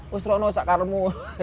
weh seronok sakar kamu